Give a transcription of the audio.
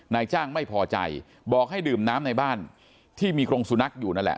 นายจ้างไม่พอใจบอกให้ดื่มน้ำในบ้านที่มีกรงสุนัขอยู่นั่นแหละ